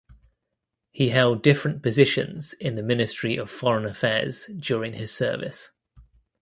He held different positions in the Ministry of Foreign Affairs during his service.